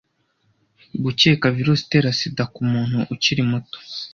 Gukeka virusi itera SIDA ku muntu ukiri muto,